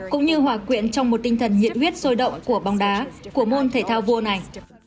cũng như hòa quyện trong một tinh thần nhiệt huyết sôi động của bóng đá của môn thể thao vua này